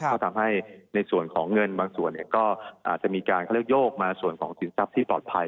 ก็ทำให้ในส่วนของเงินบางส่วนก็อาจจะมีการเขาเรียกโยกมาส่วนของสินทรัพย์ที่ปลอดภัย